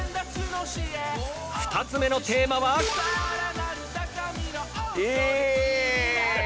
２つ目のテーマは。え！？